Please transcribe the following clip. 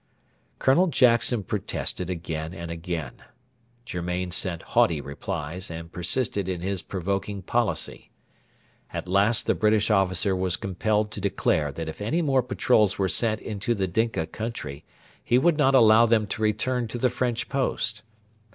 Colonel Jackson protested again and again. Germain sent haughty replies, and persisted in his provoking policy. At last the British officer was compelled to declare that if any more patrols were sent into the Dinka country, he would not allow them to return to the French post.